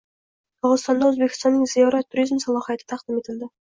Dog‘istonda O‘zbekistonning ziyorat turizm salohiyati taqdim etildi